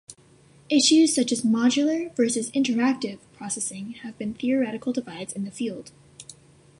Issues such as "modular" versus "interactive" processing have been theoretical divides in the field.